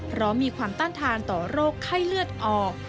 เพราะมีความต้านทานต่อโรคไข้เลือดออก